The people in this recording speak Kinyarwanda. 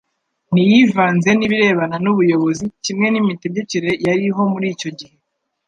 Ntiyivanze n'ibirebana n'ubuyobozi kimwe n'imitegekere yariho muri icyo gihe.